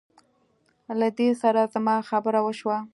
له دې سره زما خبره وشوه.